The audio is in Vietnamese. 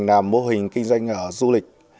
làm mô hình kinh doanh ở du lịch